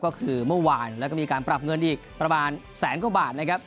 ก็คือเมื่อวานแล้วก็มีการปรับเงินอีกประมาณแสนกว่าบาทนะครับ